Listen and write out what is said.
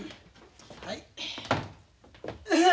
はい。